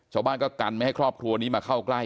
ชาวบ้านก็กันไม่ให้ครอบครัวนี้มาเข้าใกล้